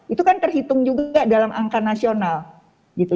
itu kan terhitung juga dalam angka nasional gitu